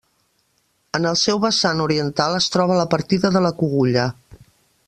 En el seu vessant oriental es troba la partida de la Cogulla.